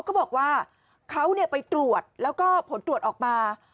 อ๋อก็บอกว่าเขาเนี่ยไปตรวจแล้วก็ผลตรวจออกมา